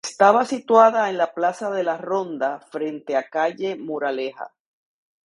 Estaba situada en la plaza de la Ronda, frente a calle Moraleja.